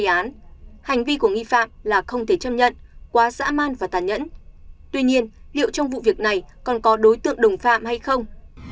hành vi của nghi phạm là không thể chấp nhận quá dã man và tàn nhẫn tuy nhiên liệu trong vụ việc này còn có đối tượng đồng phạm hay không